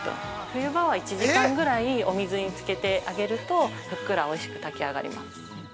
冬場は１時間ぐらいお水につけてあげるとふっくらおいしく炊き上がります。